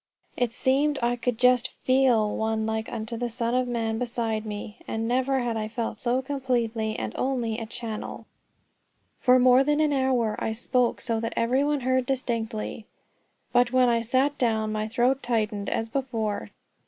It seemed I could just feel One like unto the Son of man beside me, and never had I felt so completely and only a channel. For more than an hour I spoke so that every one heard distinctly; but when I sat down my throat tightened as before.